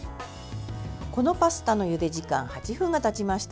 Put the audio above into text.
このパスタのゆで時間８分がたちました。